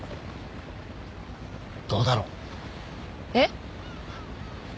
どうだろう？えっ？